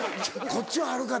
こっちはあるか